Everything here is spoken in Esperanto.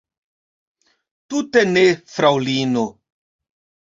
Tute ne, fraŭlino.